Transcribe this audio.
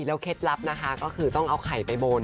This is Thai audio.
แล้วเคล็ดลับนะคะก็คือต้องเอาไข่ไปบน